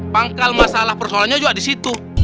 pangkal masalah persoalannya juga di situ